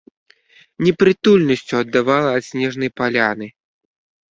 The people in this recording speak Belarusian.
Непрытульнасцю аддавала ад снежнай паляны.